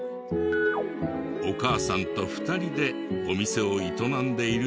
お母さんと２人でお店を営んでいるそうで。